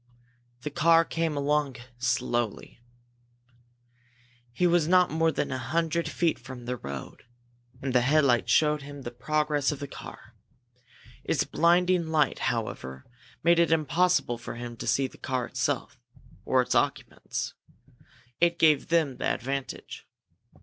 The car came along slowly. He was not more than a hundred feet from the road, and the headlight showed him the progress of the car. Its blinding light, however, made it impossible for him to see the car itself or its occupants. It gave them the advantage.